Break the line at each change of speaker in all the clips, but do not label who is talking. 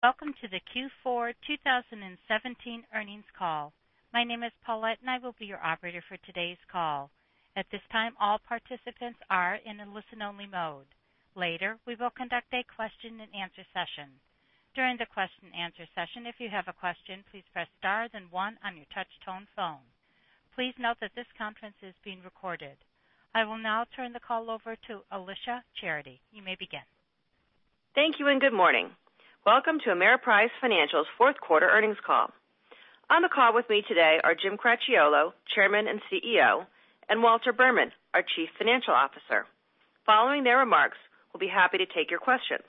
Welcome to the Q4 2017 earnings call. My name is Paulette, and I will be your operator for today's call. At this time, all participants are in a listen-only mode. Later, we will conduct a question and answer session. During the question and answer session, if you have a question, please press star then one on your touch-tone phone. Please note that this conference is being recorded. I will now turn the call over to Alicia Charity. You may begin.
Thank you, and good morning. Welcome to Ameriprise Financial's fourth quarter earnings call. On the call with me today are James Cracchiolo, Chairman and CEO, and Walter Berman, our Chief Financial Officer. Following their remarks, we'll be happy to take your questions.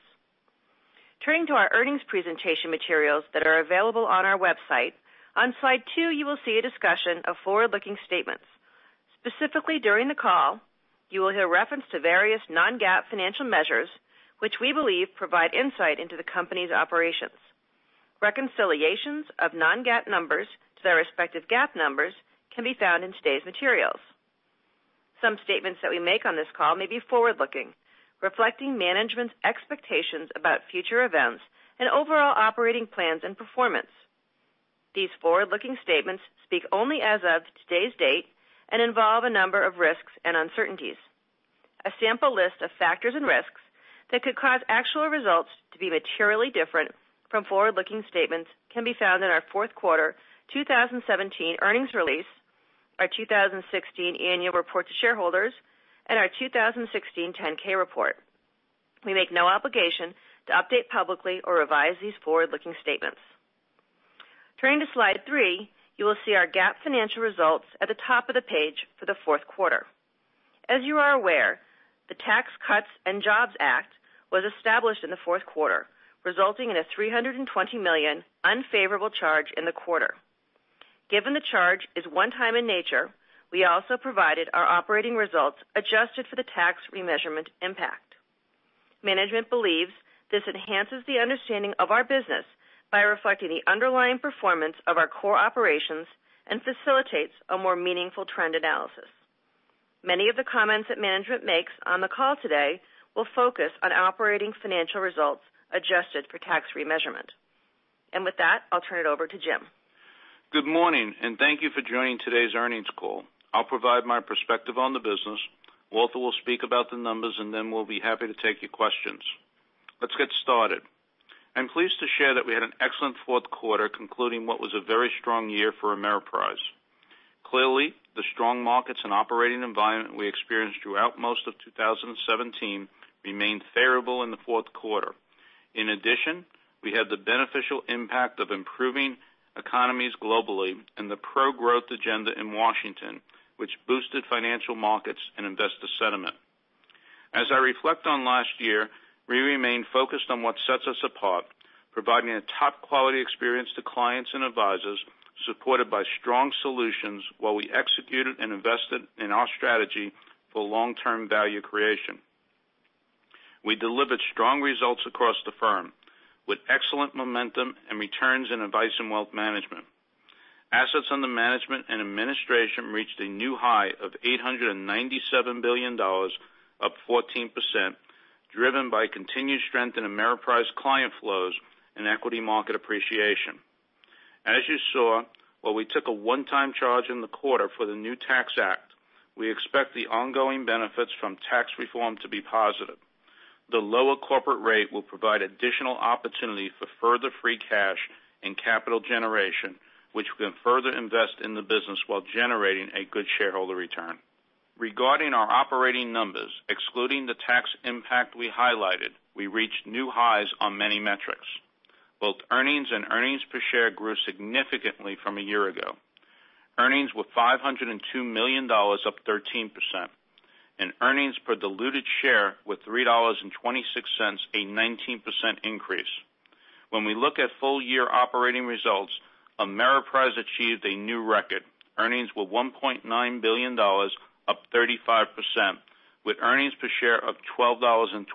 Turning to our earnings presentation materials that are available on our website, on slide two you will see a discussion of forward-looking statements. Specifically during the call, you will hear reference to various non-GAAP financial measures which we believe provide insight into the company's operations. Reconciliations of non-GAAP numbers to their respective GAAP numbers can be found in today's materials. Some statements that we make on this call may be forward-looking, reflecting management's expectations about future events and overall operating plans and performance. These forward-looking statements speak only as of today's date and involve a number of risks and uncertainties. A sample list of factors and risks that could cause actual results to be materially different from forward-looking statements can be found in our fourth quarter 2017 earnings release, our 2016 annual report to shareholders, and our 2016 10-K report. We make no obligation to update publicly or revise these forward-looking statements. Turning to slide three, you will see our GAAP financial results at the top of the page for the fourth quarter. As you are aware, the Tax Cuts and Jobs Act was established in the fourth quarter, resulting in a $320 million unfavorable charge in the quarter. Given the charge is one time in nature, we also provided our operating results adjusted for the tax remeasurement impact. Management believes this enhances the understanding of our business by reflecting the underlying performance of our core operations and facilitates a more meaningful trend analysis. Many of the comments that management makes on the call today will focus on operating financial results adjusted for tax remeasurement. With that, I'll turn it over to Jim.
Good morning, and thank you for joining today's earnings call. I'll provide my perspective on the business. Walter will speak about the numbers, we'll be happy to take your questions. Let's get started. I'm pleased to share that we had an excellent fourth quarter concluding what was a very strong year for Ameriprise. Clearly, the strong markets and operating environment we experienced throughout most of 2017 remained favorable in the fourth quarter. In addition, we had the beneficial impact of improving economies globally and the pro-growth agenda in Washington, which boosted financial markets and investor sentiment. As I reflect on last year, we remain focused on what sets us apart, providing a top-quality experience to clients and advisors supported by strong solutions while we executed and invested in our strategy for long-term value creation. We delivered strong results across the firm with excellent momentum and returns in advice and wealth management. Assets under management and administration reached a new high of $897 billion, up 14%, driven by continued strength in Ameriprise client flows and equity market appreciation. As you saw, while we took a one-time charge in the quarter for the new Tax Act, we expect the ongoing benefits from Tax Reform to be positive. The lower corporate rate will provide additional opportunity for further free cash and capital generation, which we can further invest in the business while generating a good shareholder return. Regarding our operating numbers, excluding the tax impact we highlighted, we reached new highs on many metrics. Both earnings and earnings per share grew significantly from a year ago. Earnings were $502 million, up 13%, and earnings per diluted share were $3.26, a 19% increase. When we look at full-year operating results, Ameriprise achieved a new record. Earnings were $1.9 billion, up 35%, with earnings per share of $12.27,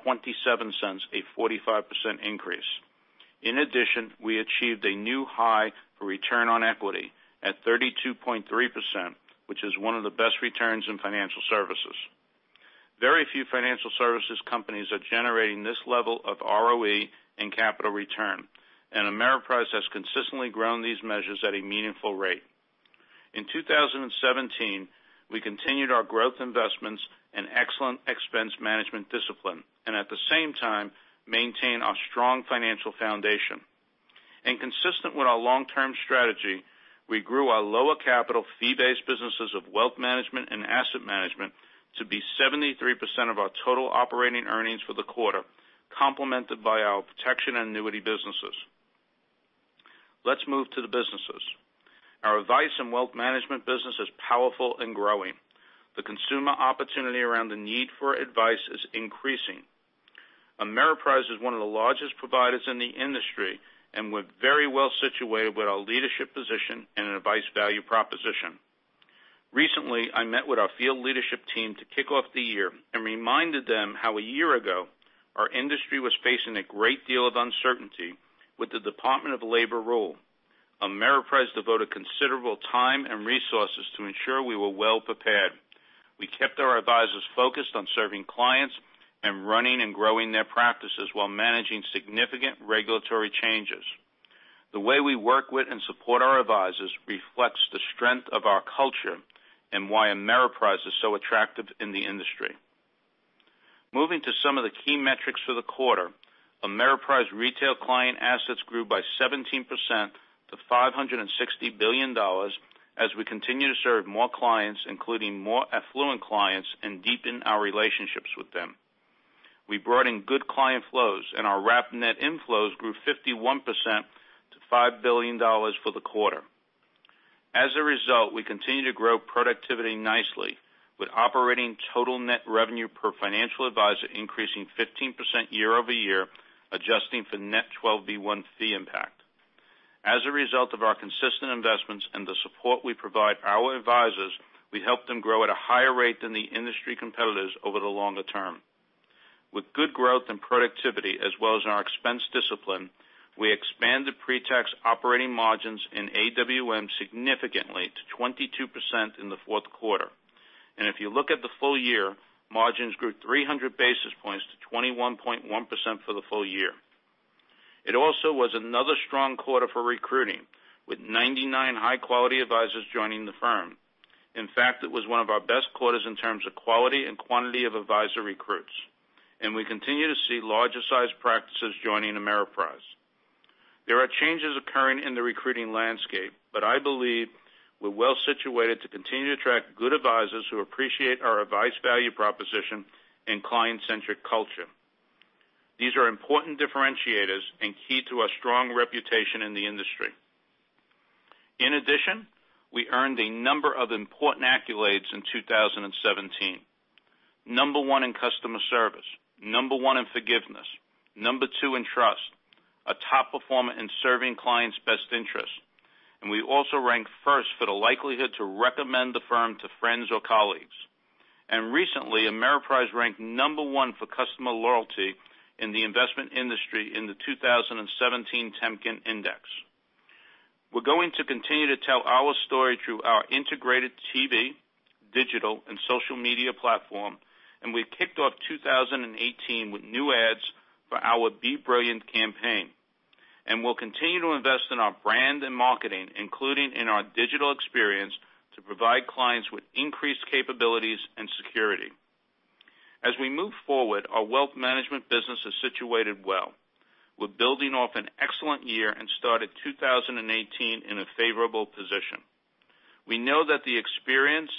a 45% increase. In addition, we achieved a new high for return on equity at 32.3%, which is one of the best returns in financial services. Very few financial services companies are generating this level of ROE and capital return, Ameriprise has consistently grown these measures at a meaningful rate. In 2017, we continued our growth investments and excellent expense management discipline at the same time maintained our strong financial foundation. Consistent with our long-term strategy, we grew our lower capital fee-based businesses of wealth management and asset management to be 73% of our total operating earnings for the quarter, complemented by our protection and annuity businesses. Let's move to the businesses. Our advice and wealth management business is powerful and growing. The consumer opportunity around the need for advice is increasing. Ameriprise is one of the largest providers in the industry and we're very well situated with our leadership position and an advice value proposition. Recently, I met with our field leadership team to kick off the year and reminded them how a year ago, our industry was facing a great deal of uncertainty with the Department of Labor rule. Ameriprise devoted considerable time and resources to ensure we were well prepared. We kept our advisors focused on serving clients and running and growing their practices while managing significant regulatory changes. The way we work with and support our advisors reflects the strength of our culture and why Ameriprise is so attractive in the industry. Moving to some of the key metrics for the quarter, Ameriprise retail client assets grew by 17% to $560 billion as we continue to serve more clients, including more affluent clients, and deepen our relationships with them. We brought in good client flows and our wrap net inflows grew 51% to $5 billion for the quarter. As a result, we continue to grow productivity nicely with operating total net revenue per financial advisor increasing 15% year-over-year, adjusting for net 12b-1 fee impact. As a result of our consistent investments and the support we provide our advisors, we help them grow at a higher rate than the industry competitors over the longer term. With good growth and productivity as well as in our expense discipline, we expanded pre-tax operating margins in AWM significantly to 22% in the fourth quarter. If you look at the full year, margins grew 300 basis points to 21.1% for the full year. It also was another strong quarter for recruiting, with 99 high-quality advisors joining the firm. In fact, it was one of our best quarters in terms of quality and quantity of advisor recruits. We continue to see larger sized practices joining Ameriprise. There are changes occurring in the recruiting landscape, I believe we're well situated to continue to attract good advisors who appreciate our advice value proposition and client-centric culture. These are important differentiators and key to our strong reputation in the industry. In addition, we earned a number of important accolades in 2017. Number one in customer service, number one in forgiveness, number two in trust, a top performer in serving clients' best interests, we also ranked first for the likelihood to recommend the firm to friends or colleagues. Recently, Ameriprise ranked number one for customer loyalty in the investment industry in the 2017 Temkin Index. We're going to continue to tell our story through our integrated TV, digital, and social media platform, we've kicked off 2018 with new ads for our Be Brilliant campaign. We'll continue to invest in our brand and marketing, including in our digital experience to provide clients with increased capabilities and security. As we move forward, our wealth management business is situated well. We're building off an excellent year and started 2018 in a favorable position. We know that the experience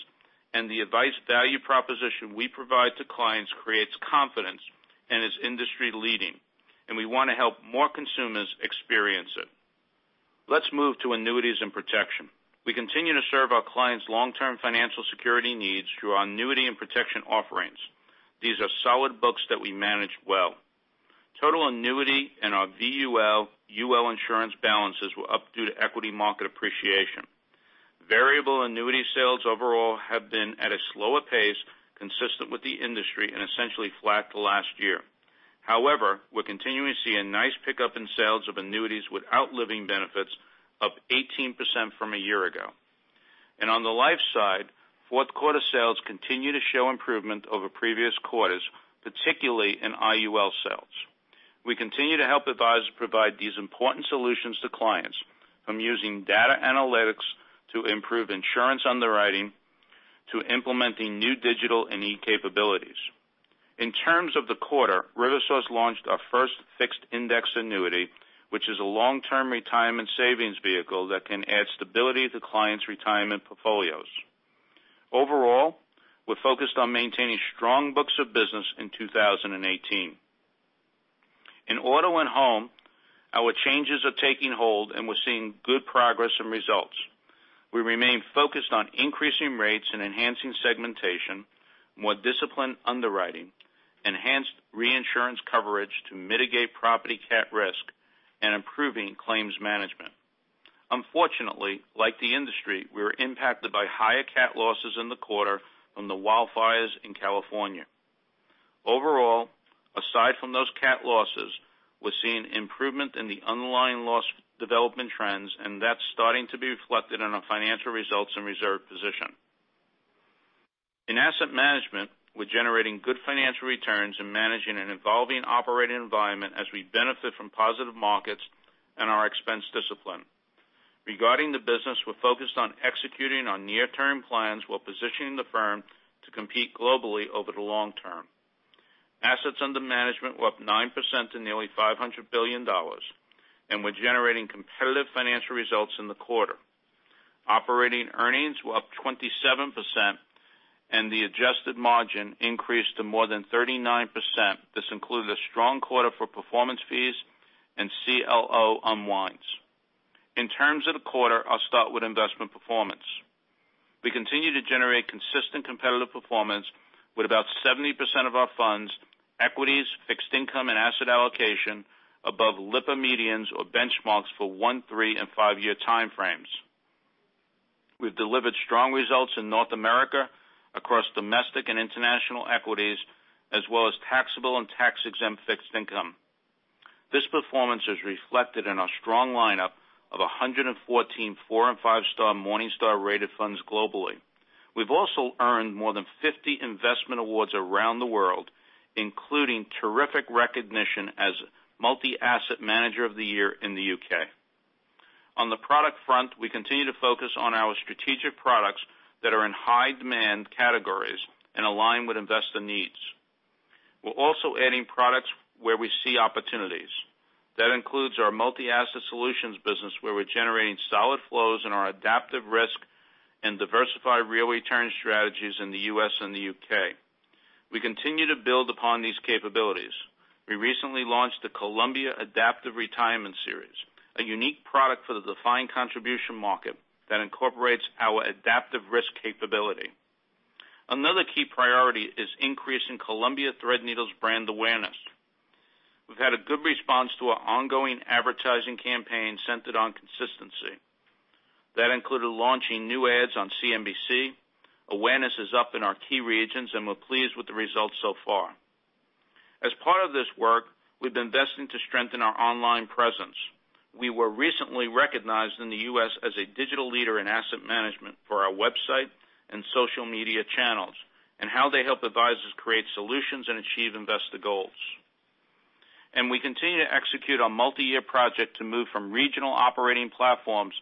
and the advice value proposition we provide to clients creates confidence and is industry-leading, we want to help more consumers experience it. Let's move to annuities and protection. We continue to serve our clients' long-term financial security needs through our annuity and protection offerings. These are solid books that we manage well. Total annuity and our VUL, UL insurance balances were up due to equity market appreciation. Variable annuity sales overall have been at a slower pace, consistent with the industry, and essentially flat to last year. However, we're continuing to see a nice pickup in sales of annuities without living benefits, up 18% from a year ago. On the life side, fourth quarter sales continue to show improvement over previous quarters, particularly in IUL sales. We continue to help advisors provide these important solutions to clients from using data analytics to improve insurance underwriting, to implementing new digital and e-capabilities. In terms of the quarter, RiverSource launched our first fixed index annuity, which is a long-term retirement savings vehicle that can add stability to clients' retirement portfolios. Overall, we're focused on maintaining strong books of business in 2018. In auto and home, our changes are taking hold, and we're seeing good progress and results. We remain focused on increasing rates and enhancing segmentation, more disciplined underwriting, enhanced reinsurance coverage to mitigate property cat risk, and improving claims management. Unfortunately, like the industry, we were impacted by higher cat losses in the quarter from the wildfires in California. Overall, aside from those cat losses, we're seeing improvement in the underlying loss development trends, and that's starting to be reflected in our financial results and reserve position. In asset management, we're generating good financial returns and managing an evolving operating environment as we benefit from positive markets and our expense discipline. Regarding the business, we're focused on executing on near-term plans while positioning the firm to compete globally over the long term. Assets under management were up 9% to nearly $500 billion, and we're generating competitive financial results in the quarter. Operating earnings were up 27%, and the adjusted margin increased to more than 39%. This included a strong quarter for performance fees and CLO unwinds. In terms of the quarter, I'll start with investment performance. We continue to generate consistent competitive performance with about 70% of our funds, equities, fixed income, and asset allocation above Lipper medians or benchmarks for one, three, and five-year time frames. We've delivered strong results in North America across domestic and international equities as well as taxable and tax-exempt fixed income. This performance is reflected in our strong lineup of 114 4 and 5-star Morningstar rated funds globally. We've also earned more than 50 investment awards around the world, including terrific recognition as Multi-Asset Manager of the Year in the U.K. On the product front, we continue to focus on our strategic products that are in high-demand categories and align with investor needs. We're also adding products where we see opportunities. That includes our multi-asset solutions business where we're generating solid flows in our adaptive risk and diversified real return strategies in the U.S. and the U.K. We continue to build upon these capabilities. We recently launched the Columbia Adaptive Retirement Series, a unique product for the defined contribution market that incorporates our adaptive risk capability. Another key priority is increasing Columbia Threadneedle's brand awareness. We've had a good response to our ongoing advertising campaign centered on consistency. That included launching new ads on CNBC. Awareness is up in our key regions, and we're pleased with the results so far. As part of this work, we've been investing to strengthen our online presence. We were recently recognized in the U.S. as a digital leader in asset management for our website and social media channels, and how they help advisors create solutions and achieve investor goals. We continue to execute our multi-year project to move from regional operating platforms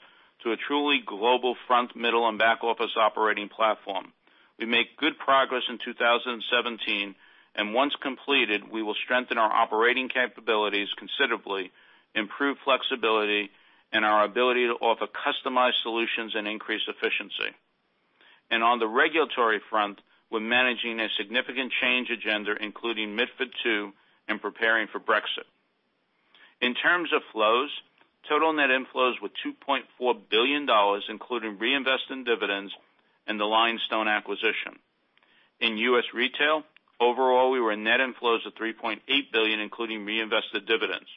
to a truly global front, middle, and back-office operating platform. We made good progress in 2017, and once completed, we will strengthen our operating capabilities considerably, improve flexibility and our ability to offer customized solutions and increase efficiency. On the regulatory front, we're managing a significant change agenda, including MiFID II and preparing for Brexit. In terms of flows, total net inflows were $3.6 billion, including reinvested dividends and the Lionstone acquisition. In U.S. retail, overall, we were net inflows of $3.8 billion, including reinvested dividends.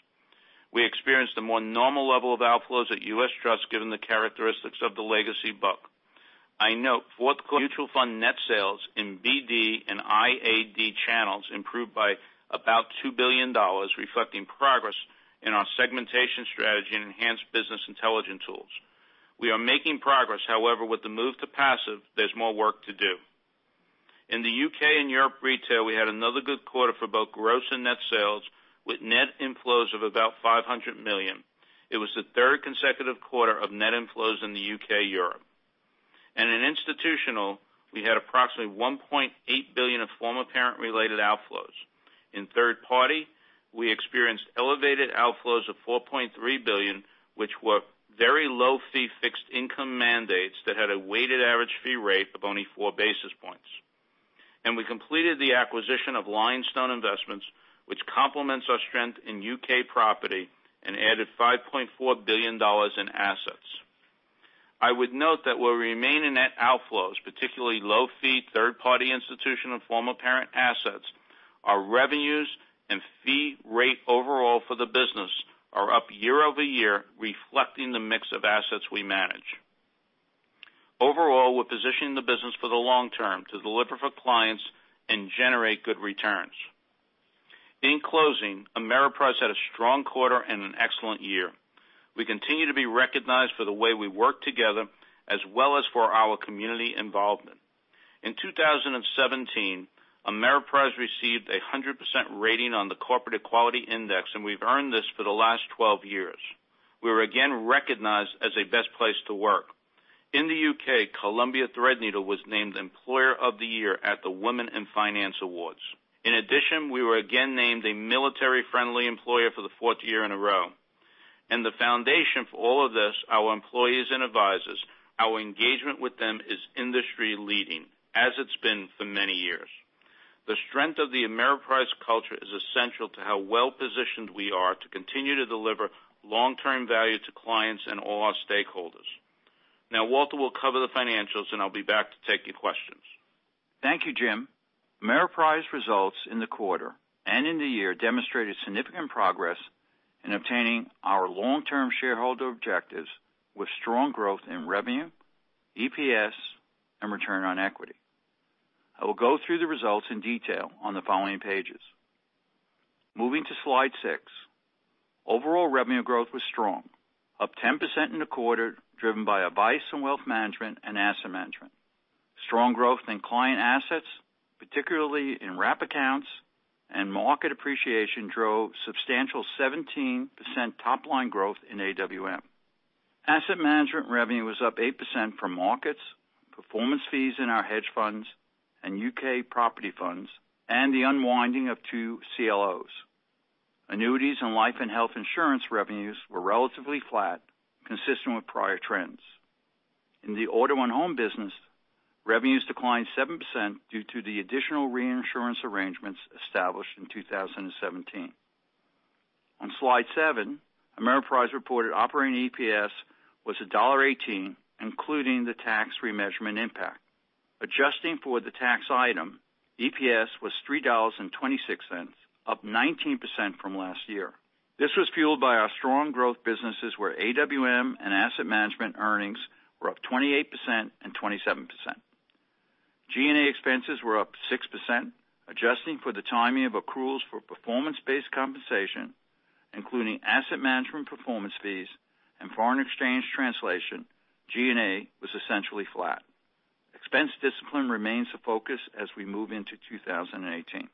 We experienced a more normal level of outflows at U.S. Trust, given the characteristics of the legacy book. I note fourth mutual fund net sales in BD and IAD channels improved by about $2 billion, reflecting progress in our segmentation strategy and enhanced business intelligence tools. We are making progress, however, with the move to passive, there's more work to do. In the U.K. and Europe retail, we had another good quarter for both gross and net sales, with net inflows of about $500 million. It was the third consecutive quarter of net inflows in the U.K./Europe. In institutional, we had approximately $1.8 billion of former parent-related outflows. In third party, we experienced elevated outflows of $4.3 billion, which were very low-fee fixed income mandates that had a weighted average fee rate of only four basis points. We completed the acquisition of Lionstone Investments, which complements our strength in U.K. property and added $5.4 billion in assets. I would note that we remain in net outflows, particularly low-fee third-party institutional former parent assets. Our revenues and fee rate overall for the business are up year-over-year, reflecting the mix of assets we manage. Overall, we're positioning the business for the long term to deliver for clients and generate good returns. In closing, Ameriprise had a strong quarter and an excellent year. We continue to be recognized for the way we work together as well as for our community involvement. In 2017, Ameriprise received a 100% rating on the Corporate Equality Index, and we've earned this for the last 12 years. We were again recognized as a best place to work. In the U.K., Columbia Threadneedle was named Employer of the Year at the Women in Finance Awards. In addition, we were again named a military-friendly employer for the fourth year in a row. The foundation for all of this, our employees and advisors, our engagement with them is industry-leading, as it's been for many years. The strength of the Ameriprise culture is essential to how well-positioned we are to continue to deliver long-term value to clients and all our stakeholders. Now Walter will cover the financials, and I'll be back to take your questions.
Thank you, Jim. Ameriprise results in the quarter and in the year demonstrated significant progress in obtaining our long-term shareholder objectives with strong growth in revenue, EPS, and return on equity. I will go through the results in detail on the following pages. Moving to slide six. Overall revenue growth was strong, up 10% in the quarter, driven by Advice & Wealth Management and Asset Management. Strong growth in client assets, particularly in wrap accounts and market appreciation, drove substantial 17% top-line growth in AWM. Asset Management revenue was up 8% from markets, performance fees in our hedge funds and U.K. property funds, and the unwinding of two CLOs. Annuities and life and health insurance revenues were relatively flat, consistent with prior trends. In the auto and home business, revenues declined 7% due to the additional reinsurance arrangements established in 2017. On slide seven, Ameriprise reported operating EPS was $1.18, including the tax remeasurement impact. Adjusting for the tax item, EPS was $3.26, up 19% from last year. This was fueled by our strong growth businesses where AWM and asset management earnings were up 28% and 27%. G&A expenses were up 6%, adjusting for the timing of accruals for performance-based compensation, including asset management performance fees and foreign exchange translation, G&A was essentially flat. Expense discipline remains a focus as we move into 2018.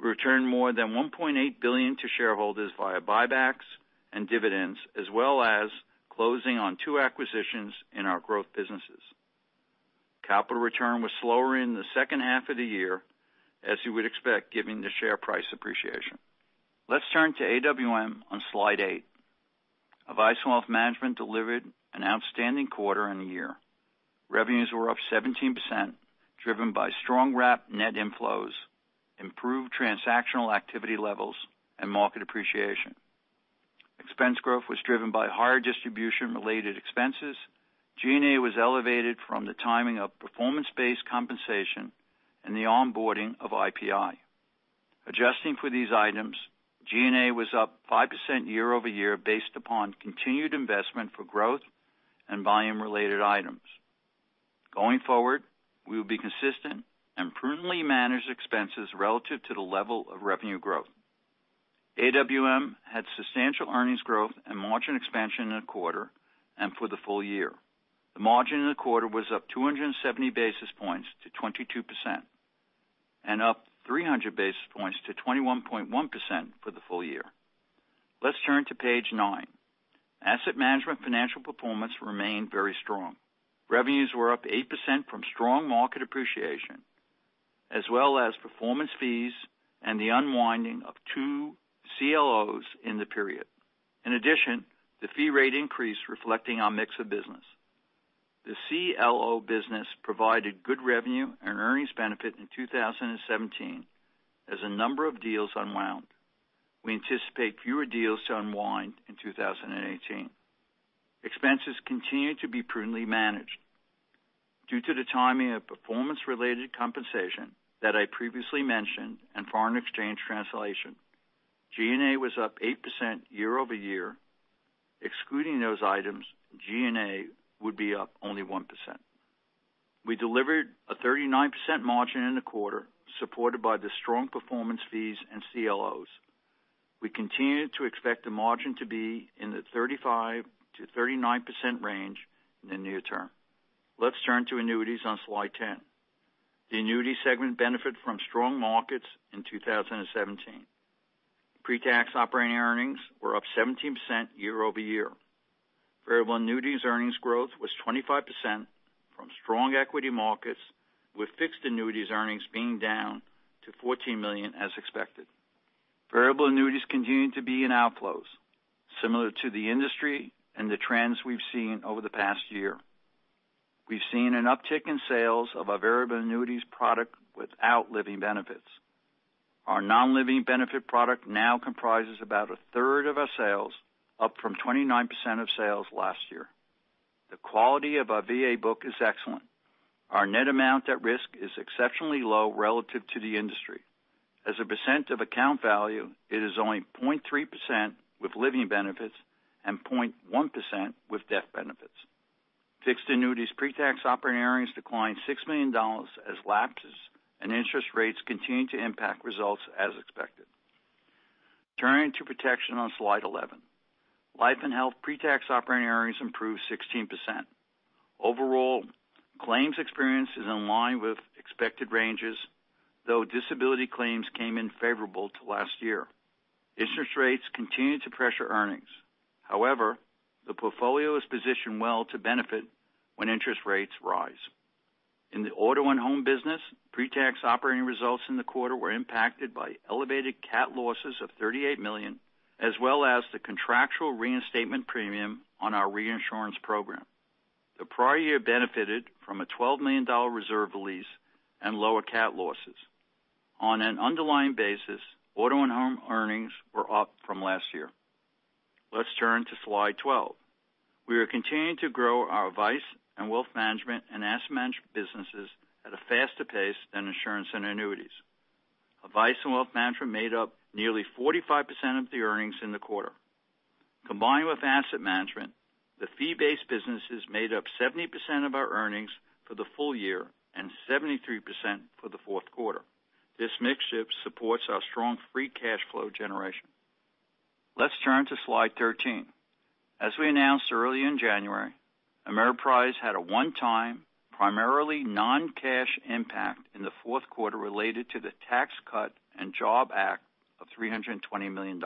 We returned more than $1.8 billion to shareholders via buybacks and dividends, as well as closing on two acquisitions in our growth businesses. Capital return was slower in the second half of the year, as you would expect, given the share price appreciation. Let's turn to AWM on slide eight. Advice Wealth Management delivered an outstanding quarter and year. Revenues were up 17%, driven by strong wrap net inflows, improved transactional activity levels, and market appreciation. Expense growth was driven by higher distribution-related expenses. G&A was elevated from the timing of performance-based compensation and the onboarding of IPI. Adjusting for these items, G&A was up 5% year-over-year based upon continued investment for growth and volume-related items. Going forward, we will be consistent and prudently manage expenses relative to the level of revenue growth. AWM had substantial earnings growth and margin expansion in the quarter and for the full year. The margin in the quarter was up 270 basis points to 22% and up 300 basis points to 21.1% for the full year. Let's turn to page nine. Asset Management financial performance remained very strong. Revenues were up 8% from strong market appreciation, as well as performance fees and the unwinding of two CLOs in the period. In addition, the fee rate increased reflecting our mix of business. The CLO business provided good revenue and earnings benefit in 2017 as a number of deals unwound. We anticipate fewer deals to unwind in 2018. Expenses continue to be prudently managed. Due to the timing of performance-related compensation that I previously mentioned and foreign exchange translation, G&A was up 8% year-over-year. Excluding those items, G&A would be up only 1%. We delivered a 39% margin in the quarter, supported by the strong performance fees and CLOs. We continue to expect the margin to be in the 35%-39% range in the near term. Let's turn to annuities on slide ten. The annuity segment benefited from strong markets in 2017. Pre-tax operating earnings were up 17% year-over-year. Variable annuities earnings growth was 25% from strong equity markets, with fixed annuities earnings being down to $14 million, as expected. Variable annuities continue to be in outflows, similar to the industry and the trends we've seen over the past year. We've seen an uptick in sales of our variable annuities product without living benefits. Our non-living benefit product now comprises about a third of our sales, up from 29% of sales last year. The quality of our VA book is excellent. Our net amount at risk is exceptionally low relative to the industry. As a percent of account value, it is only 0.3% with living benefits and 0.1% with death benefits. Fixed annuities pre-tax operating earnings declined $6 million as lapses and interest rates continue to impact results as expected. Turning to protection on slide eleven. Life and health pre-tax operating earnings improved 16%. Overall, claims experience is in line with expected ranges, though disability claims came in favorable to last year. Interest rates continue to pressure earnings. However, the portfolio is positioned well to benefit when interest rates rise. In the auto and home business, pre-tax operating results in the quarter were impacted by elevated cat losses of $38 million, as well as the contractual reinstatement premium on our reinsurance program. The prior year benefited from a $12 million reserve release and lower cat losses. On an underlying basis, auto and home earnings were up from last year. Let's turn to Slide 12. We are continuing to grow our Advice and Wealth Management and Asset Management businesses at a faster pace than insurance and annuities. Advice and Wealth Management made up nearly 45% of the earnings in the quarter. Combined with Asset Management, the fee-based businesses made up 70% of our earnings for the full year and 73% for the fourth quarter. This mix shift supports our strong free cash flow generation. Let's turn to Slide 13. As we announced early in January, Ameriprise had a one-time, primarily non-cash impact in the fourth quarter related to the Tax Cuts and Jobs Act of $320 million.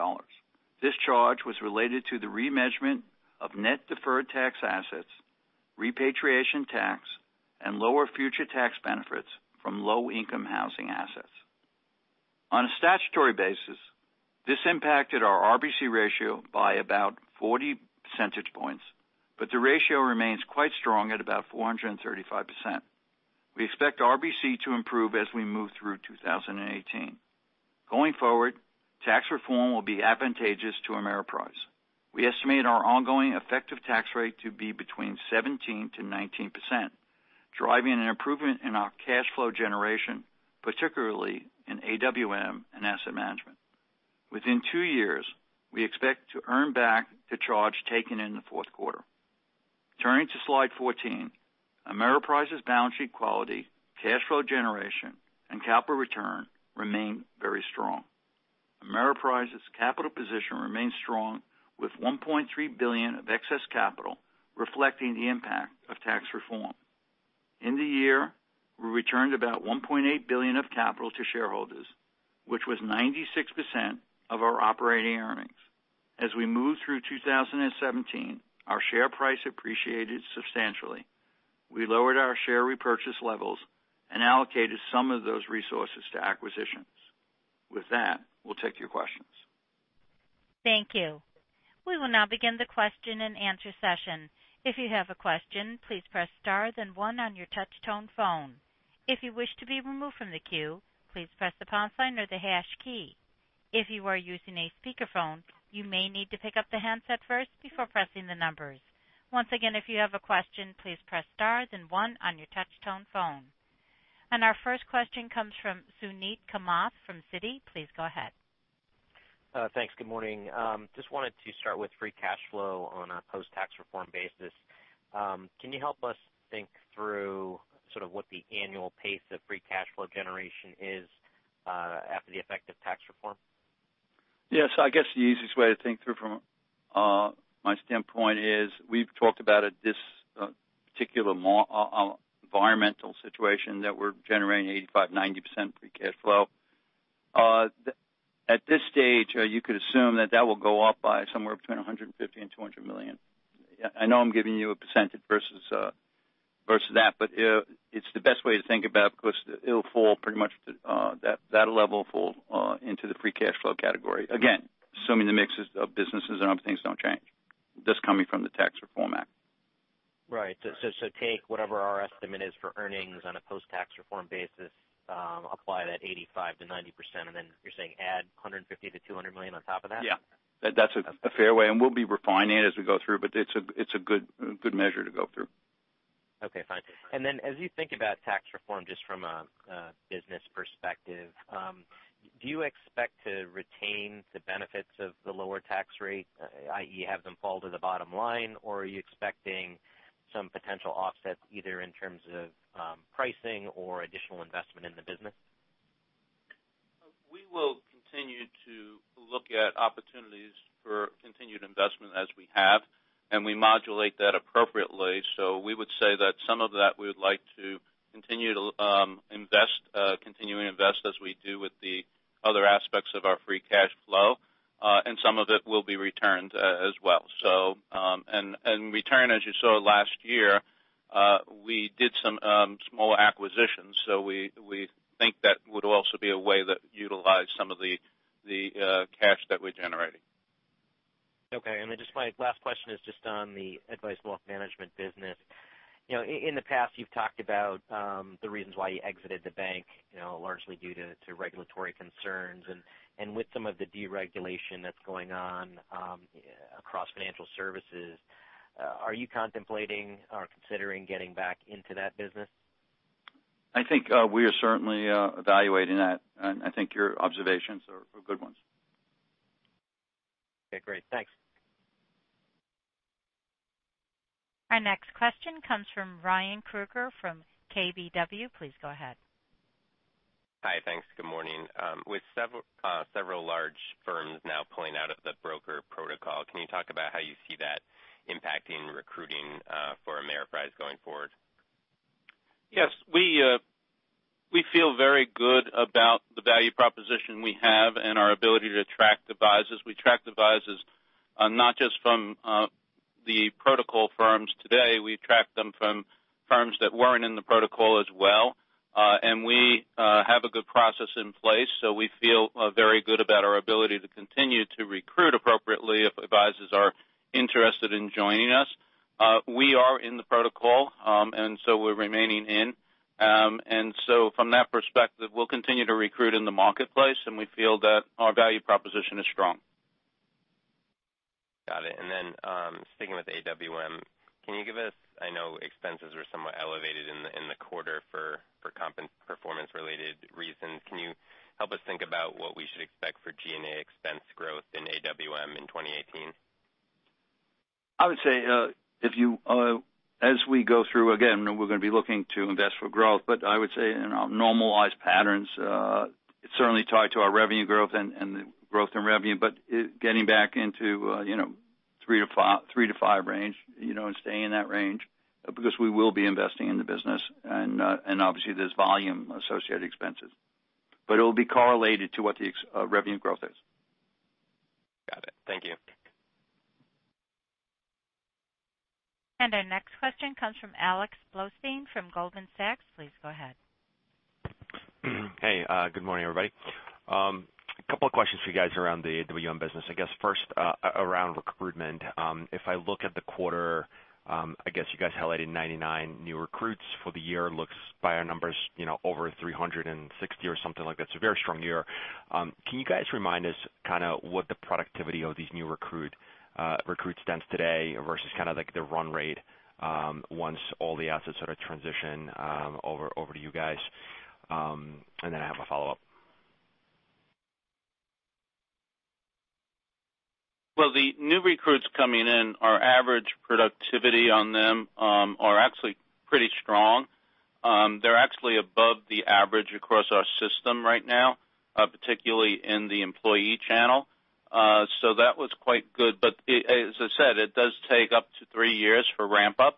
This charge was related to the remeasurement of net deferred tax assets, repatriation tax, and lower future tax benefits from low-income housing assets. On a statutory basis, this impacted our RBC ratio by about 40 percentage points, but the ratio remains quite strong at about 435%. We expect RBC to improve as we move through 2018. Going forward, tax reform will be advantageous to Ameriprise. We estimate our ongoing effective tax rate to be between 17%-19%, driving an improvement in our cash flow generation, particularly in AWM and Asset Management. Within two years, we expect to earn back the charge taken in the fourth quarter. Turning to slide 14, Ameriprise's balance sheet quality, cash flow generation, and capital return remain very strong. Ameriprise's capital position remains strong with $1.3 billion of excess capital reflecting the impact of tax reform. In the year, we returned about $1.8 billion of capital to shareholders, which was 96% of our operating earnings. As we moved through 2017, our share price appreciated substantially. We lowered our share repurchase levels and allocated some of those resources to acquisitions. With that, we'll take your questions.
Thank you. We will now begin the question and answer session. If you have a question, please press star then one on your touch tone phone. If you wish to be removed from the queue, please press the pound sign or the hash key. If you are using a speakerphone, you may need to pick up the handset first before pressing the numbers. Once again, if you have a question, please press star then one on your touch tone phone. Our first question comes from Suneet Kamath from Citi. Please go ahead.
Thanks. Good morning. Just wanted to start with free cash flow on a post-Tax Reform basis. Can you help us think through what the annual pace of free cash flow generation is after the effective Tax Reform?
I guess the easiest way to think through from my standpoint is we've talked about this particular environmental situation that we're generating 85%-90% free cash flow. At this stage, you could assume that will go up by somewhere between $150 million-$200 million. I know I'm giving you a percentage versus that. It's the best way to think about it because that level will fall into the free cash flow category. Again, assuming the mixes of businesses and other things don't change. This coming from the Tax Reform Act.
Right. Take whatever our estimate is for earnings on a post-Tax Reform basis, apply that 85%-90%, and then you're saying add $150 million-$200 million on top of that?
Yeah. That's a fair way. We'll be refining it as we go through. It's a good measure to go through.
Okay, fine. As you think about tax reform just from a business perspective, do you expect to retain the benefits of the lower tax rate, i.e. have them fall to the bottom line? Are you expecting some potential offsets either in terms of pricing or additional investment in the business?
We will continue to look at opportunities for continued investment as we have, and we modulate that appropriately. We would say that some of that we would like to continue to invest as we do with the other aspects of our free cash flow. Some of it will be returned as well. And return, as you saw last year, we did some small acquisitions. We think that would also be a way that utilize some of the cash that we're generating.
Okay. Just my last question is just on the advice wealth management business. In the past, you've talked about the reasons why you exited the bank, largely due to regulatory concerns. With some of the deregulation that's going on across financial services, are you contemplating or considering getting back into that business?
I think we are certainly evaluating that, and I think your observations are good ones.
Okay, great. Thanks.
Our next question comes from Ryan Krueger from KBW. Please go ahead.
Hi, thanks. Good morning. With several large firms now pulling out of the Broker Protocol, can you talk about how you see that impacting recruiting for Ameriprise going forward?
Yes, we feel very good about the value proposition we have and our ability to attract advisors. We attract advisors not just from the Protocol firms today. We attract them from firms that weren't in the Protocol as well. We have a good process in place, so we feel very good about our ability to continue to recruit appropriately if advisors are interested in joining us. We are in the Protocol, and so we're remaining in. From that perspective, we'll continue to recruit in the marketplace, and we feel that our value proposition is strong.
Got it. Sticking with AWM, I know expenses were somewhat elevated in the quarter for comp and performance related reasons. Can you help us think about what we should expect for G&A expense growth in AWM in 2018?
I would say, as we go through, again, we're going to be looking to invest for growth. I would say in our normalized patterns, certainly tied to our revenue growth and the growth in revenue. Getting back into three to five range, and staying in that range. We will be investing in the business, and obviously there's volume associated expenses. It will be correlated to what the revenue growth is.
Got it. Thank you.
Our next question comes from Alex Blostein from Goldman Sachs. Please go ahead.
Hey, good morning, everybody. Couple of questions for you guys around the AWM business. I guess first, around recruitment. If I look at the quarter, I guess you guys highlighted 99 new recruits for the year. Looks by our numbers, over 360 or something like that, so very strong year. Can you guys remind us what the productivity of these new recruits stands today versus the run rate once all the assets transition over to you guys? I have a follow-up.
Well, the new recruits coming in, our average productivity on them are actually pretty strong. They're actually above the average across our system right now, particularly in the employee channel. That was quite good, but as I said, it does take up to three years for ramp up,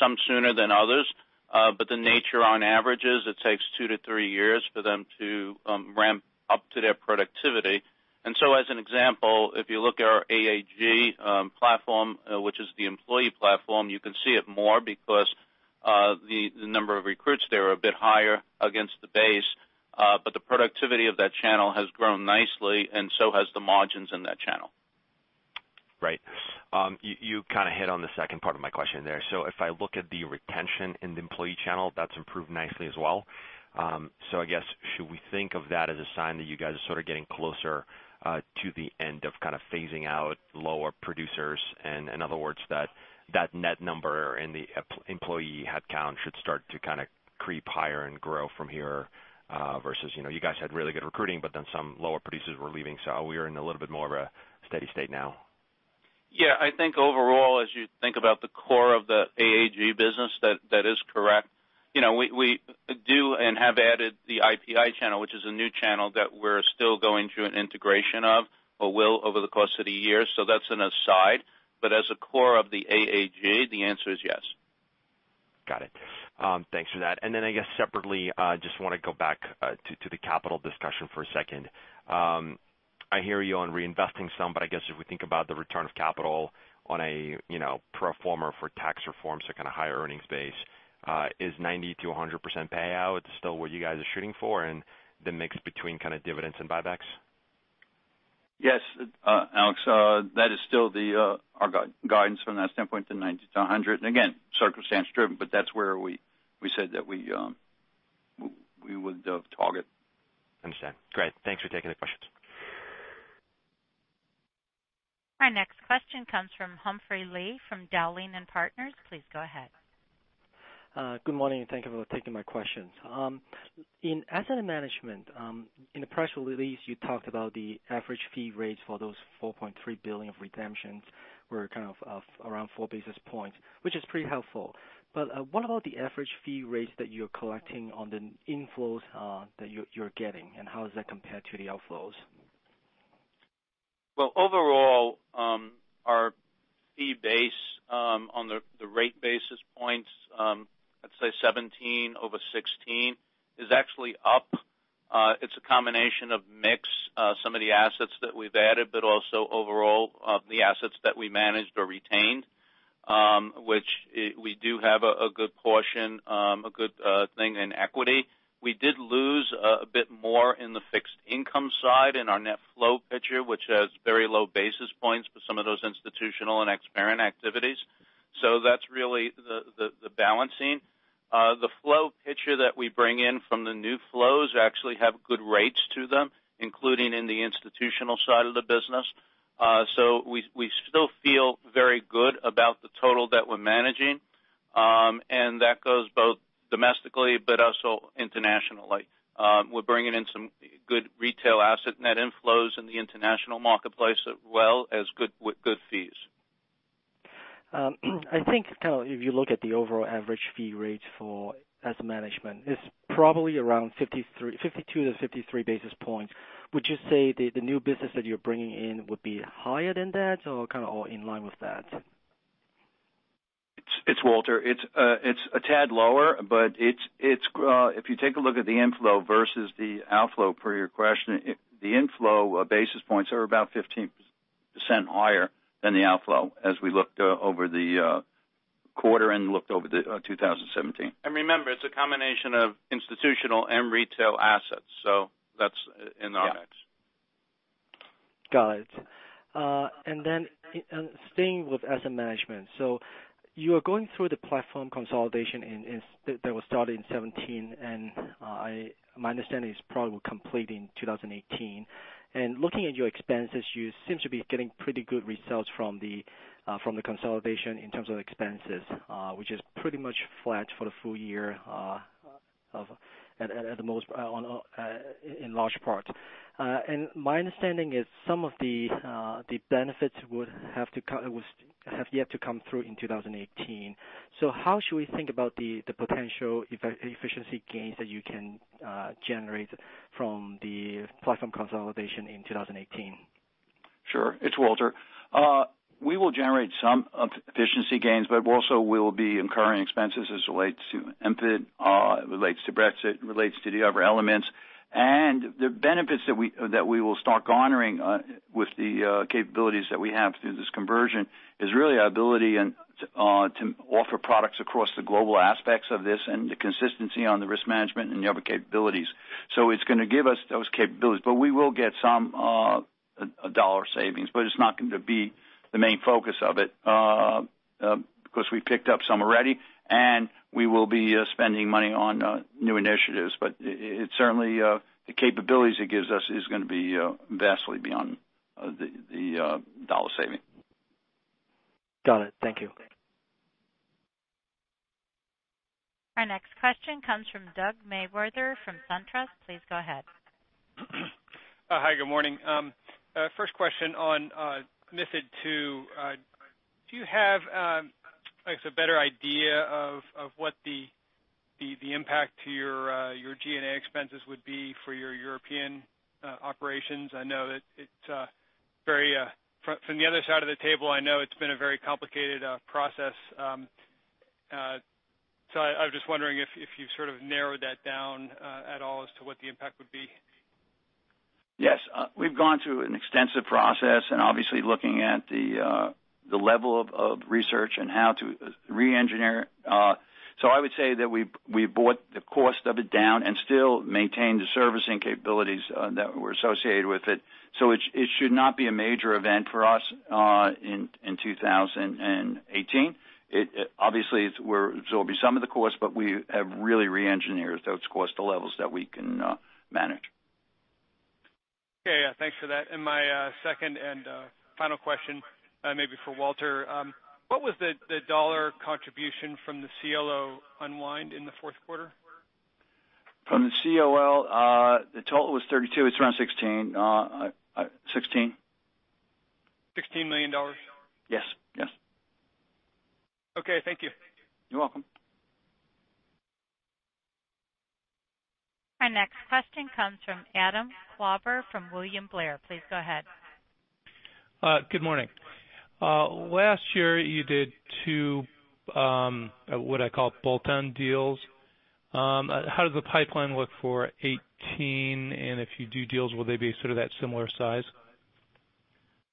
some sooner than others. The nature on average is it takes two to three years for them to ramp up to their productivity. As an example, if you look at our AAG platform, which is the employee platform, you can see it more because the number of recruits there are a bit higher against the base, but the productivity of that channel has grown nicely and so has the margins in that channel.
Right. You kind of hit on the second part of my question there. If I look at the retention in the employee channel, that's improved nicely as well. I guess, should we think of that as a sign that you guys are sort of getting closer to the end of kind of phasing out lower producers and in other words, that net number in the employee headcount should start to kind of creep higher and grow from here, versus you guys had really good recruiting, but then some lower producers were leaving, so we are in a little bit more of a steady state now.
Yeah, I think overall, as you think about the core of the AAG business, that is correct. We do and have added the IPI channel, which is a new channel that we're still going through an integration of or will over the course of the year. That's an aside, but as a core of the AAG, the answer is yes.
Got it. Thanks for that. Separately, just want to go back to the capital discussion for a second. I hear you on reinvesting some, but I guess if we think about the return of capital on a pro forma for tax reform, so kind of higher earnings base, is 90%-100% payout still what you guys are shooting for and the mix between kind of dividends and buybacks?
Yes, Alex, that is still our guidance from that standpoint to 90%-100%. Again, circumstance driven, that's where we said that we would target.
Understand. Great. Thanks for taking the questions.
Our next question comes from Humphrey Lee, from Dowling & Partners. Please go ahead.
Good morning, and thank you for taking my questions. In asset management, in the press release you talked about the average fee rates for those $4.3 billion of redemptions were kind of around 4 basis points, which is pretty helpful. What about the average fee rates that you're collecting on the inflows that you're getting, and how does that compare to the outflows?
Well, overall, our fee base on the rate basis points, I'd say 2017 over 2016 is actually up. It's a combination of mix, some of the assets that we've added, but also overall the assets that we managed or retained, which we do have a good portion, a good thing in equity. We did lose a bit more in the fixed income side in our net flow picture, which has very low basis points for some of those institutional and ex-parent activities. That's really the balancing. The flow picture that we bring in from the new flows actually have good rates to them, including in the institutional side of the business. We still feel very good about the total that we're managing. That goes both domestically but also internationally. We're bringing in some good retail asset net inflows in the international marketplace as well as good fees.
I think if you look at the overall average fee rates for asset management, it's probably around 52 to 53 basis points. Would you say that the new business that you're bringing in would be higher than that or kind of all in line with that?
It's Walter. It's a tad lower, but if you take a look at the inflow versus the outflow per your question, the inflow basis points are about 15% higher than the outflow as we looked over the quarter and looked over 2017. Remember, it's a combination of institutional and retail assets. That's in our mix.
Got it. Staying with asset management. You are going through the platform consolidation that was started in 2017, and my understanding is probably will complete in 2018. Looking at your expenses, you seem to be getting pretty good results from the consolidation in terms of expenses, which is pretty much flat for the full year in large part. My understanding is some of the benefits have yet to come through in 2018. How should we think about the potential efficiency gains that you can generate from the platform consolidation in 2018?
Sure. It's Walter. We will generate some efficiency gains, but also we'll be incurring expenses as it relates to MiFID, relates to Brexit, relates to the other elements. The benefits that we will start garnering with the capabilities that we have through this conversion is really our ability to offer products across the global aspects of this and the consistency on the risk management and the other capabilities. It's going to give us those capabilities, but we will get some dollar savings, but it's not going to be the main focus of it because we picked up some already, and we will be spending money on new initiatives. Certainly the capabilities it gives us is going to be vastly beyond the dollar saving.
Got it. Thank you.
Our next question comes from Doug Mewhirter from SunTrust. Please go ahead.
Hi, good morning. First question on MiFID II. Do you have, I guess, a better idea of what the impact to your G&A expenses would be for your European operations? From the other side of the table, I know it's been a very complicated process. I was just wondering if you've sort of narrowed that down at all as to what the impact would be.
Yes. We've gone through an extensive process and obviously looking at the level of research and how to re-engineer. I would say that we brought the cost of it down and still maintain the servicing capabilities that were associated with it. It should not be a major event for us in 2018. Obviously, there will be some of the cost, but we have really re-engineered those costs to levels that we can manage.
Okay. Yeah, thanks for that. My second and final question, maybe for Walter. What was the dollar contribution from the CLO unwind in the fourth quarter?
From the CLO, the total was $32. It's around $16.
$16 million?
Yes.
Okay. Thank you.
You're welcome.
Our next question comes from Adam Klauber from William Blair. Please go ahead.
Good morning. Last year you did two, what I call bolt-on deals. How does the pipeline look for 2018? If you do deals, will they be sort of that similar size?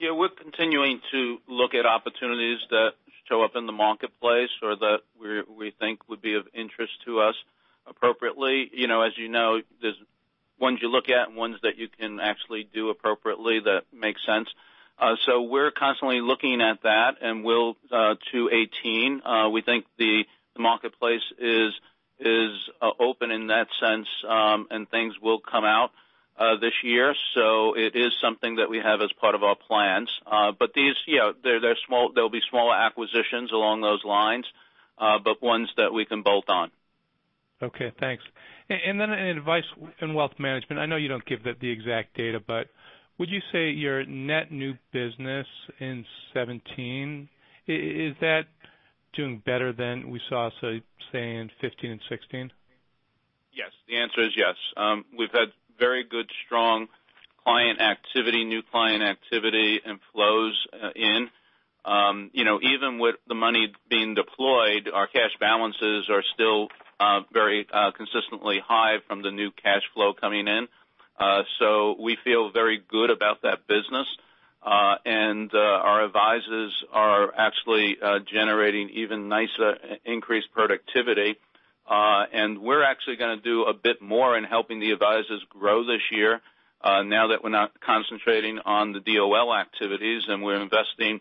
We're continuing to look at opportunities that show up in the marketplace or that we think would be of interest to us appropriately. As you know, there's ones you look at and ones that you can actually do appropriately that make sense. We're constantly looking at that, and will to 2018. We think the marketplace is open in that sense. Things will come out this year. It is something that we have as part of our plans. They'll be small acquisitions along those lines. Ones that we can bolt on.
Okay, thanks. In advice and wealth management, I know you don't give the exact data, but would you say your net new business in 2017, is that doing better than we saw, say, in 2015 and 2016?
Yes. The answer is yes. We've had very good, strong client activity, new client activity and flows in. Even with the money being deployed, our cash balances are still very consistently high from the new cash flow coming in. We feel very good about that business. Our advisors are actually generating even nicer increased productivity. We're actually going to do a bit more in helping the advisors grow this year. Now that we're not concentrating on the DOL activities, and we're investing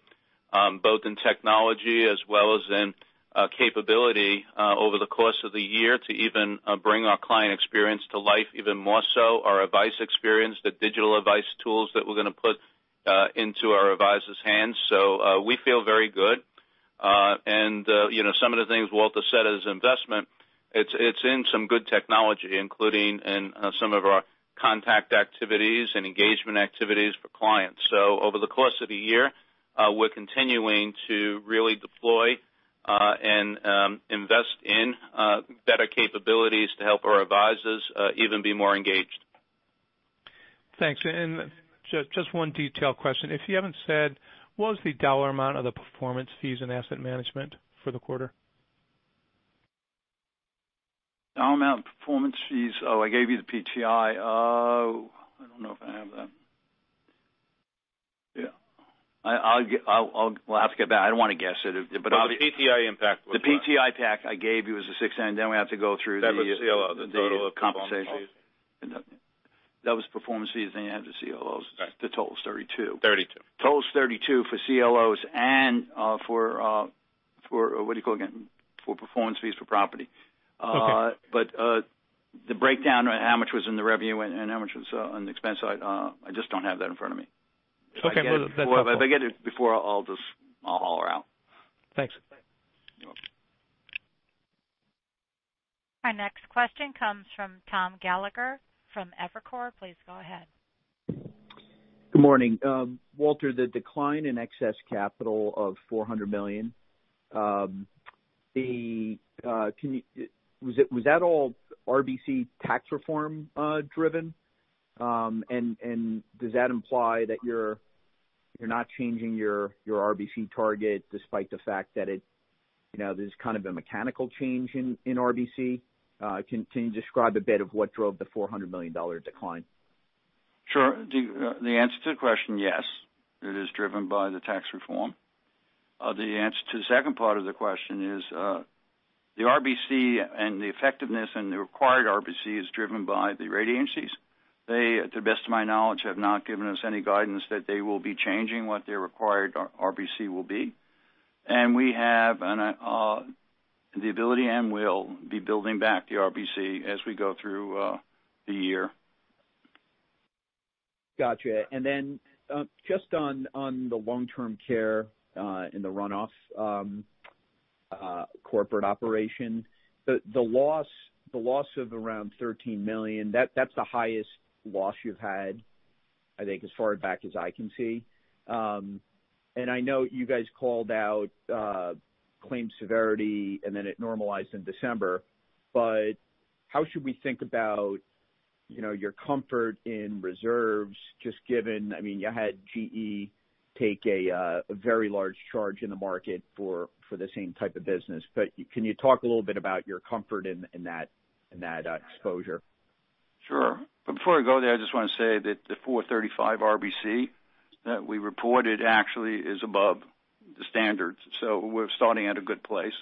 both in technology as well as in capability over the course of the year to even bring our client experience to life even more so, our advice experience, the digital advice tools that we're going to put into our advisor's hands. We feel very good. Some of the things Walter said as investment, it's in some good technology, including in some of our contact activities and engagement activities for clients. Over the course of the year, we're continuing to really deploy and invest in better capabilities to help our advisors even be more engaged.
Thanks. Just one detail question. If you haven't said, what was the dollar amount of the performance fees and asset management for the quarter?
Dollar amount of performance fees. I gave you the PTI. I don't know if I have that. Yeah. We'll have to get back. I don't want to guess it.
The PTI impact was what?
The PTI pack I gave you was the 6N. We have to go through.
That was CLO, the total of performance fees.
That was performance fees, you have the CLOs.
Right.
The total is 32.
Thirty-two.
Total is $32 for CLOs and for performance fees for property.
Okay.
The breakdown, how much was in the revenue and how much was on the expense side, I just don't have that in front of me.
Okay.
If I get it before, I'll just holler out.
Thanks.
You're welcome.
Our next question comes from Thomas Gallagher from Evercore. Please go ahead.
Good morning. Walter, the decline in excess capital of $400 million, was that all RBC tax reform driven? Does that imply that you're not changing your RBC target despite the fact that there's kind of a mechanical change in RBC? Can you describe a bit of what drove the $400 million decline?
Sure. The answer to the question, yes, it is driven by the tax reform. The answer to the second part of the question is, the RBC and the effectiveness and the required RBC is driven by the rating agencies. They, to the best of my knowledge, have not given us any guidance that they will be changing what their required RBC will be. We have the ability and will be building back the RBC as we go through the year.
Got you. Then just on the long-term care in the runoff corporate operation, the loss of around $13 million, that's the highest loss you've had, I think, as far back as I can see. I know you guys called out claim severity and then it normalized in December, but how should we think about your comfort in reserves just given, you had GE take a very large charge in the market for the same type of business. Can you talk a little bit about your comfort in that exposure?
Before I go there, I just want to say that the 435 RBC that we reported actually is above the standards. We're starting at a good place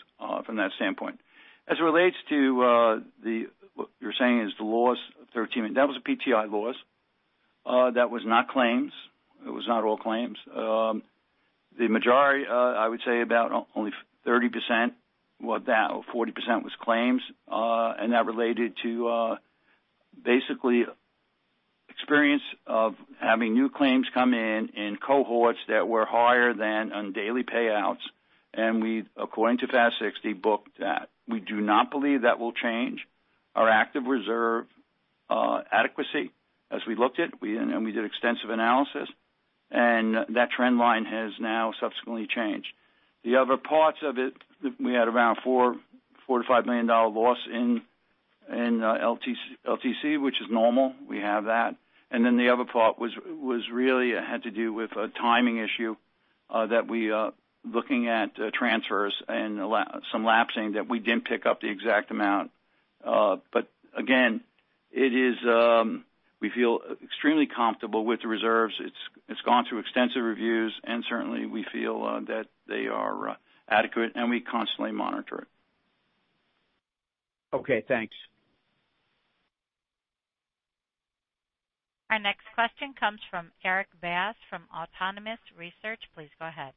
from that standpoint. As it relates to what you're saying is the loss of $13 million. That was a PTI loss. That was not claims. It was not all claims. The majority, I would say about only 30% or 40% was claims, and that related to basically experience of having new claims come in cohorts that were higher than on daily payouts. We, according to FAS 60, booked that. We do not believe that will change our active reserve adequacy as we looked at. We did extensive analysis, and that trend line has now subsequently changed. The other parts of it, we had around $4 million-$5 million loss in LTC, which is normal. We have that. The other part really had to do with a timing issue that we are looking at transfers and some lapsing that we didn't pick up the exact amount. Again, we feel extremely comfortable with the reserves. It's gone through extensive reviews, and certainly, we feel that they are adequate, and we constantly monitor it.
Okay, thanks.
Our next question comes from Erik Bass from Autonomous Research. Please go ahead.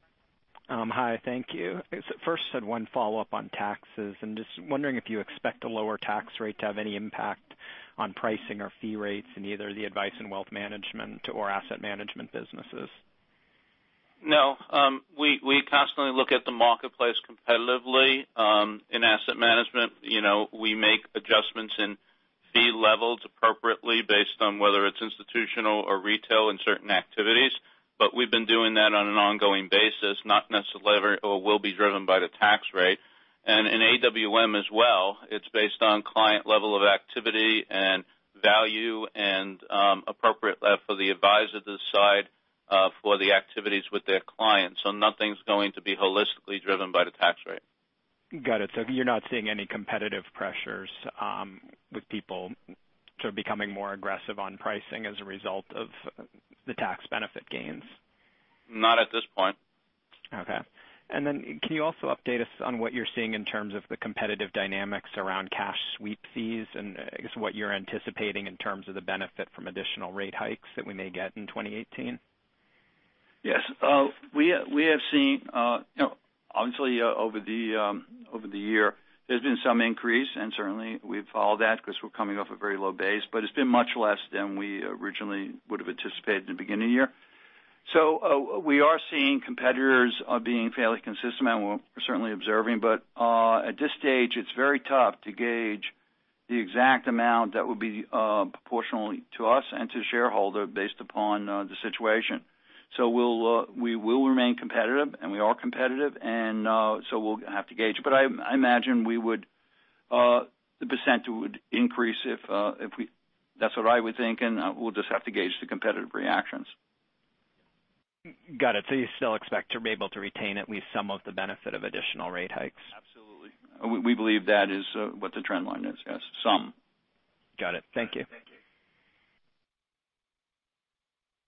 Hi, thank you. First had one follow-up on taxes. Just wondering if you expect a lower tax rate to have any impact on pricing or fee rates in either the advice in wealth management or asset management businesses.
No. We constantly look at the marketplace competitively in asset management. We make adjustments in fee levels appropriately based on whether it's institutional or retail in certain activities. We've been doing that on an ongoing basis, not necessarily or will be driven by the tax rate. In AWM as well, it's based on client level of activity and value and appropriate for the advisor to decide for the activities with their clients. Nothing's going to be holistically driven by the tax rate.
Got it. You're not seeing any competitive pressures with people sort of becoming more aggressive on pricing as a result of the tax benefit gains?
Not at this point.
Okay. Can you also update us on what you're seeing in terms of the competitive dynamics around cash sweep fees and I guess what you're anticipating in terms of the benefit from additional rate hikes that we may get in 2018?
Yes. We have seen, obviously over the year, there's been some increase, and certainly we've followed that because we're coming off a very low base, but it's been much less than we originally would have anticipated at the beginning of the year. We are seeing competitors being fairly consistent, and we're certainly observing, but at this stage, it's very tough to gauge the exact amount that would be proportional to us and to shareholder based upon the situation. We will remain competitive, and we are competitive, and we'll have to gauge. I imagine the percent would increase. That's what I would think, and we'll just have to gauge the competitive reactions.
Got it. You still expect to be able to retain at least some of the benefit of additional rate hikes?
Absolutely. We believe that is what the trend line is. Yes, some.
Got it. Thank you.
Thank you.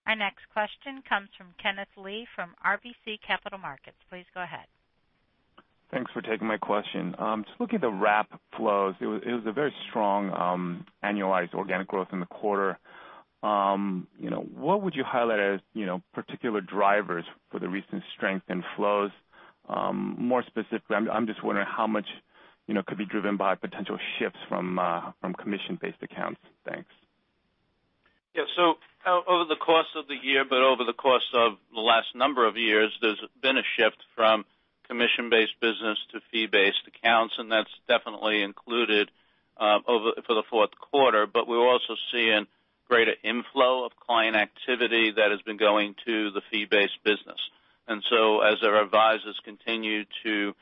Our next question comes from Kenneth Lee from RBC Capital Markets. Please go ahead.
Thanks for taking my question. Just looking at the wrap flows, it was a very strong annualized organic growth in the quarter. What would you highlight as particular drivers for the recent strength in flows? More specifically, I'm just wondering how much could be driven by potential shifts from commission-based accounts. Thanks.
Yeah. Over the course of the year, over the course of the last number of years, there's been a shift from commission-based business to fee-based accounts, that's definitely included for the fourth quarter. We're also seeing greater inflow of client activity that has been going to the fee-based business. As our advisors continue to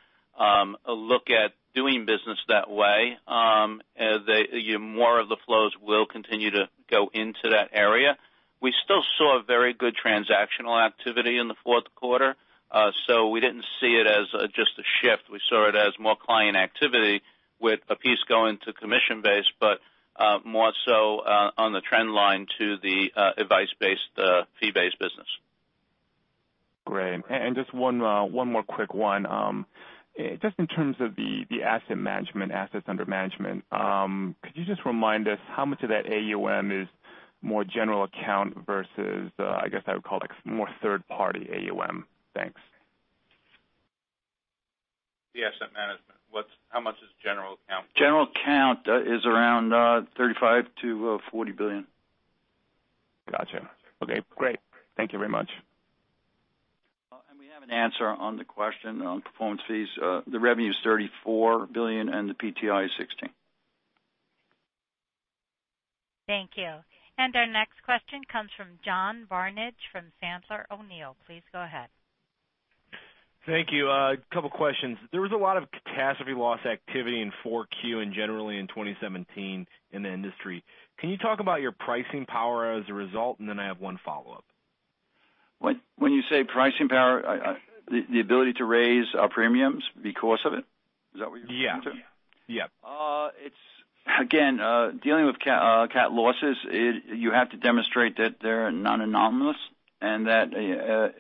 look at doing business that way, more of the flows will continue to go into that area. We still saw very good transactional activity in the fourth quarter. We didn't see it as just a shift. We saw it as more client activity with a piece going to commission-based, but more so on the trend line to the advice-based, fee-based business.
Great. Just one more quick one. Just in terms of the asset management, assets under management, could you just remind us how much of that AUM is more general account versus, I guess I would call it more third party AUM? Thanks. The asset management, how much is general account?
General account is around $35 billion-$40 billion.
Got you. Okay, great. Thank you very much.
We have an answer on the question on performance fees. The revenue is $34 million, and the PTI is 16.
Thank you. Our next question comes from John Barnidge from Sandler O'Neill. Please go ahead.
Thank you. A couple questions. There was a lot of catastrophe loss activity in Q4 and generally in 2017 in the industry. Can you talk about your pricing power as a result, and then I have one follow-up.
When you say pricing power, the ability to raise our premiums because of it? Is that what you're referring to?
Yeah.
It's, again, dealing with cat losses, you have to demonstrate that they're non-anomalous and that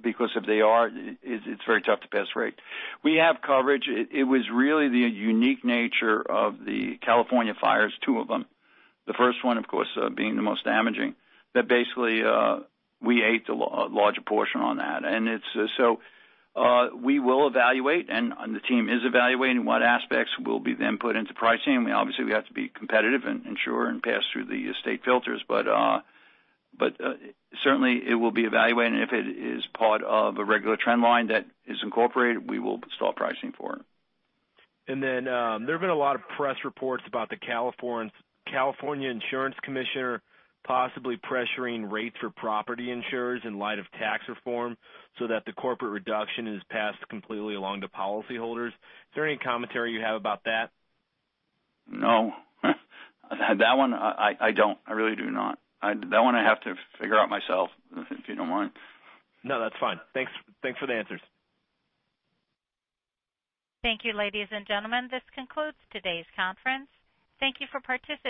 because if they are, it's very tough to pass rate. We have coverage. It was really the unique nature of the California fires, two of them. The first one, of course, being the most damaging, that basically, we ate the larger portion on that. We will evaluate, and the team is evaluating what aspects will be then put into pricing. Obviously, we have to be competitive and ensure and pass through the state filters. Certainly, it will be evaluated, and if it is part of a regular trend line that is incorporated, we will start pricing for it.
There have been a lot of press reports about the California Insurance Commissioner possibly pressuring rates for property insurers in light of tax reform so that the corporate reduction is passed completely along to policyholders. Is there any commentary you have about that?
No. That one, I don't. I really do not. That one I have to figure out myself, if you don't mind.
No, that's fine. Thanks for the answers.
Thank you, ladies and gentlemen. This concludes today's conference. Thank you for participating.